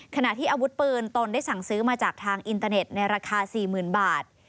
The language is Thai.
ขณะที่อาวุธปืนตนได้สั่งซื้อมาจากทางอินเตอร์เน็ตในราคา๔๐๐๐บาท